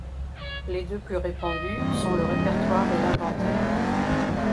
Les deux plus répandus sont le répertoire et l'inventaire.